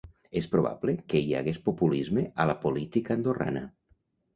És probable que hi hagués populisme a la política andorrana.